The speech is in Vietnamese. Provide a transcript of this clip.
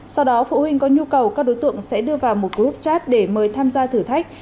sau đó phụ huynh có nhu cầu các đối tượng sẽ đưa vào một group chat để mời tham gia thử thách